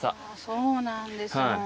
そうなんですの。